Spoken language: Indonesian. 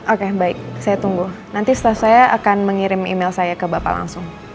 oke baik saya tunggu nanti setelah saya akan mengirim email saya ke bapak langsung